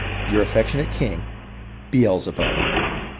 " Your affectionate king, " Beelzebub."